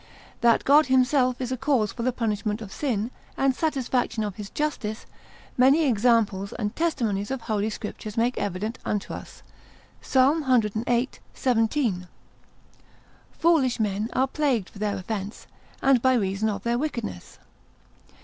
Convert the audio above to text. That God himself is a cause for the punishment of sin, and satisfaction of his justice, many examples and testimonies of holy Scriptures make evident unto us, Ps. cvii, 17. Foolish men are plagued for their offence, and by reason of their wickedness.